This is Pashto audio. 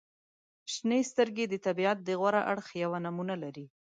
• شنې سترګې د طبیعت د غوره اړخ یوه نمونې لري.